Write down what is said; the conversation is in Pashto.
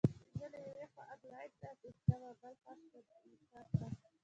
زه له یوې خوا انیلا ته اندېښمن وم او بل خوا سنایپر ته